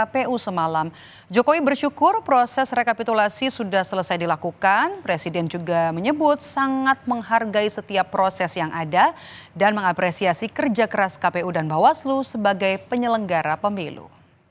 presiden joko widodo buka suara soal hasil rekapitulasi nasional pemilu dua ribu tujuh belas